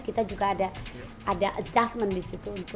kita juga ada adjustment disitu